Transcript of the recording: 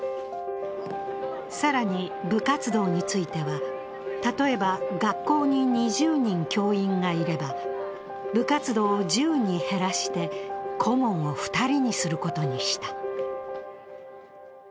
更に、部活動については例えば学校に２０人教員がいれば部活動を１０に減らして顧問を２人にすることにした。